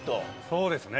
そうですね。